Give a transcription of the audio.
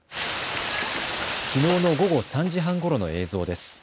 きのうの午後３時半ごろの映像です。